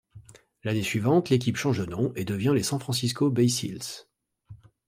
L'année suivante, l'équipe change de nom et devient les San Francisco Bay Seals.